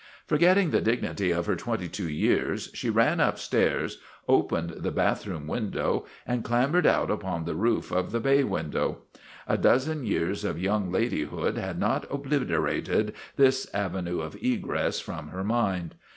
Forgetting the dignity of her twenty two years, she ran upstairs, opened the bathroom window, and clambered out upon the roof of the bay window. A dozen years of young ladyhood had not obliterated this avenue of egress from her mind.